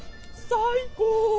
最高！